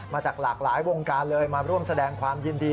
มาจากหลากหลายวงการเลยมาร่วมแสดงความยินดี